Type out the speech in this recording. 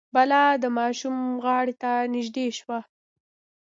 بلا د ماشوم غاړې ته نژدې شو.